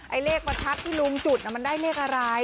เลขประทัดที่ลุงจุดมันได้เลขอะไร